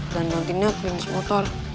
dan nantinya kelinis motor